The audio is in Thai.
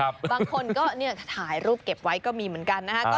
บางคนก็ถ่ายรูปเก็บไว้ก็มีเหมือนกันนะฮะ